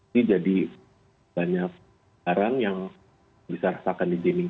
sebarang yang bisa rasakan di sini